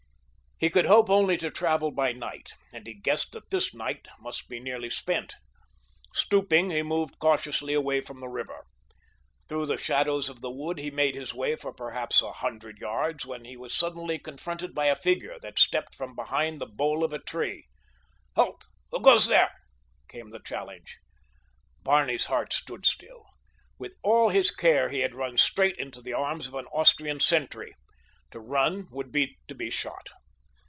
He could hope only to travel by night, and he guessed that this night must be nearly spent. Stooping, he moved cautiously away from the river. Through the shadows of the wood he made his way for perhaps a hundred yards when he was suddenly confronted by a figure that stepped from behind the bole of a tree. "Halt! Who goes there?" came the challenge. Barney's heart stood still. With all his care he had run straight into the arms of an Austrian sentry. To run would be to be shot.